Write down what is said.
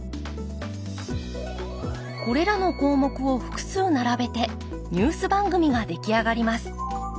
これらの項目を複数並べてニュース番組が出来上がります。